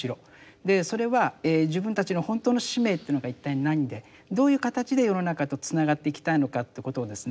でそれは自分たちの本当の使命というのが一体何でどういう形で世の中とつながっていきたいのかということをですね